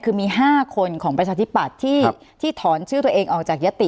คือมี๕คนของประชาธิปัตย์ที่ถอนชื่อตัวเองออกจากยติ